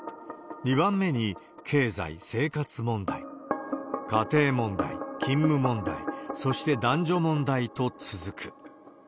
２番目に、経済、生活問題、家庭問題、勤務問題、そして男女問題と続く。